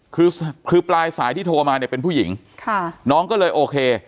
คือคือปลายสายที่โทรมาเนี่ยเป็นผู้หญิงค่ะน้องก็เลยโอเค